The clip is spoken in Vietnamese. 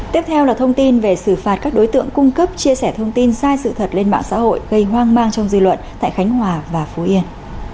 tiếp theo là thông tin về xử phạt các đối tượng cung cấp chia sẻ thông tin sai sự thật lên mạng xã hội gây hoang mang trong dư luận tại khánh hòa và phú yên